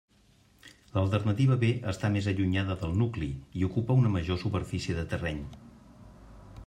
L'alternativa B està més allunyada del nucli i ocupa una major superfície de terreny.